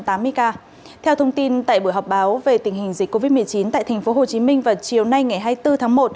theo thông tin tại buổi họp báo về tình hình dịch covid một mươi chín tại tp hcm vào chiều nay ngày hai mươi bốn tháng một